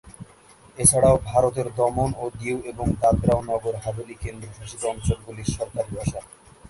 এছাড়াও ভারতের দমন ও দিউ এবং দাদরা ও নগর হাভেলি কেন্দ্রশাসিত অঞ্চলগুলির সরকারি ভাষা।